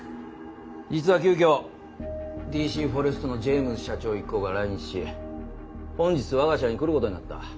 実は急きょＤＣフォレストのジェームズ社長一行が来日し本日我が社に来ることになった。